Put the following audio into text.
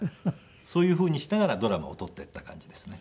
そういうふうにしながらドラマを撮っていった感じですね。